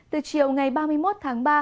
từ chiều ngày ba mươi một tháng ba